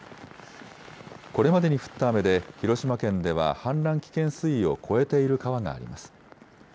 これまでに降った雨で広島県では氾濫危険水位を超えている川があります。